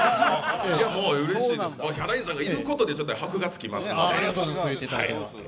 もううれしいです、ヒャダインさんがいることで箔がつきますので。